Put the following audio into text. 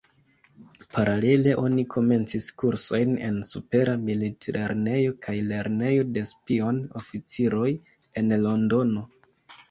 Paralele oni komencis kursojn en Supera Milit-Lernejo kaj Lernejo de Spion-Oficiroj en Londono.